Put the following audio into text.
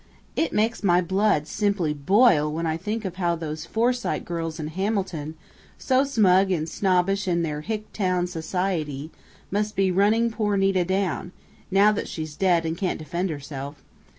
It makes my blood simply boil when I think of how those Forsyte girls in Hamilton so smug and snobbish in their hick town 'society' must be running poor Nita down, now that she's dead and can't defend herself!...